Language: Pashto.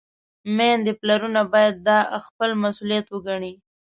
میندې، پلرونه باید دا خپل مسؤلیت وګڼي.